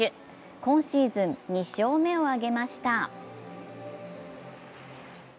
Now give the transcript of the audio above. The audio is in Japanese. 今シーズン２勝目を挙げました。